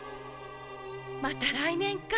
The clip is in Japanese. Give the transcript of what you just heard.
また来年か。